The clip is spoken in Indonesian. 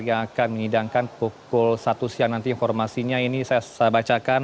yang akan menyidangkan pukul satu siang nanti informasinya ini saya bacakan